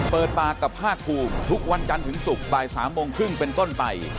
เปิดปากกับภาคภูมิทุกวันจันทร์ถึงศุกร์บ่าย๓โมงครึ่งเป็นต้นไป